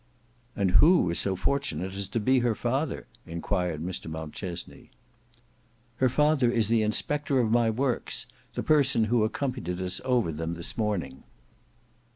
"And who is so fortunate as to be her father?" enquired Mr Mountchesney. "Her father is the inspector of my works; the person who accompanied us over them this morning."